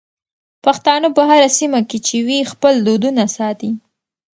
پښتانه په هره سيمه کې چې وي خپل دودونه ساتي.